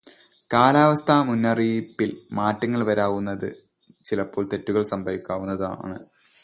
കാലാവസ്ഥാമുന്നറിയിപ്പിൽ മാറ്റങ്ങൾ വരാവുന്നതും ചിലപ്പോൾ തെറ്റുകൾ സംഭവിക്കാവുന്നതുമാണ്.